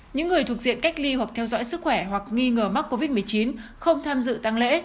những người thuộc diện cách ly hoặc theo dõi sức khỏe hoặc nghi ngờ mắc covid một mươi chín không tham dự tăng lễ